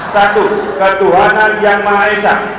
satu ketuhanan yang maha esa